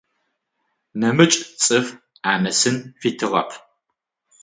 Нэмыкӏ цӏыф анэсын фитыгъэп.